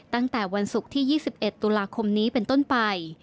ตั้งแต่วันศุกร์ที่ยี่สิบเอ็ดตุลาคมนี้เป็นต้นไป